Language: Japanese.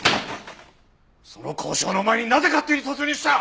その交渉の前になぜ勝手に突入した！